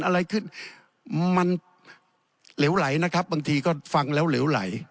อะไรขึ้นมันเหลวไหลนะครับบางทีก็ฟังแล้วเหลวไหล